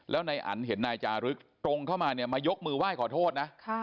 แล้วนายอันเห็นนายจารึกตรงเข้ามาเนี่ยมายกมือไหว้ขอโทษนะ